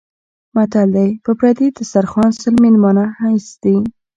متل دی: په پردي دسترخوان سل مېلمانه هېڅ دي.